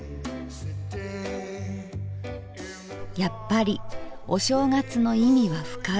「やっぱりお正月の意味は深い。